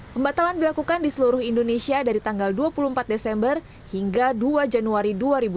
pembatalan dilakukan di seluruh indonesia dari tanggal dua puluh empat desember hingga dua januari dua ribu dua puluh